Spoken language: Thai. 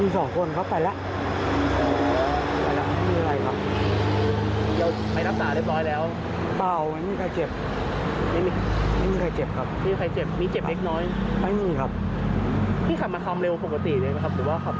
ก็เรื่อยหรอครับ